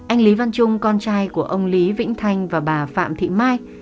anh lý văn trung con trai của ông lý vĩnh thanh và bà phạm thị mai